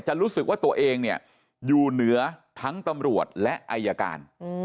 รู้สึกว่าตัวเองเนี่ยอยู่เหนือทั้งตำรวจและอายการ